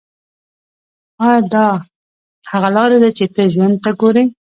ایا دا هغه لاره ده چې ته ژوند ته ګورې